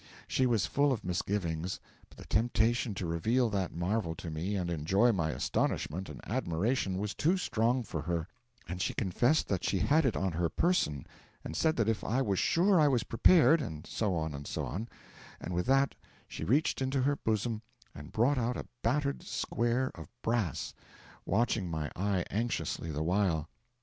She was full of misgivings, but the temptation to reveal that marvel to me and enjoy my astonishment and admiration was too strong for her, and she confessed that she had it on her person, and said that if I was sure I was prepared and so on and so on and with that she reached into her bosom and brought out a battered square of brass, watching my eye anxiously the while.